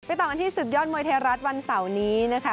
ต่อกันที่ศึกยอดมวยไทยรัฐวันเสาร์นี้นะคะ